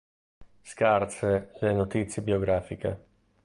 Scarse le notizie biografiche.